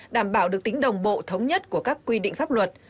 đảm bảo được tính đồng bộ thống nhất của các quy định pháp luật